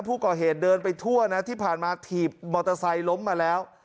ผู้ก่อเหตุเดินไปทั่วนะที่ผ่านมาถีบมอเตอร์ไซค์ล้มมาแล้ว